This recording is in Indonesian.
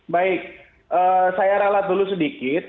baik saya ralat dulu sedikit